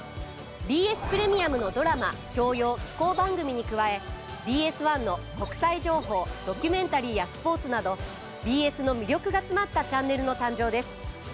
ＢＳプレミアムのドラマ教養紀行番組に加えＢＳ１の国際情報ドキュメンタリーやスポーツなどＢＳの魅力が詰まったチャンネルの誕生です。